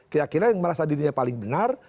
keyakinan yang merasa dirinya paling benar